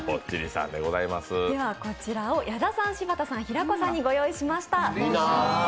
こちらを矢田さん、柴田さん、平子さんにご用意しました。